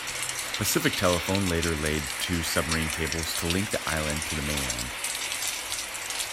Pacific Telephone later laid two submarine cables to link the island to the mainland.